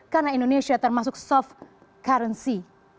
karena indonesia termasuk soft currency